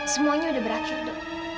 semuanya udah berakhir do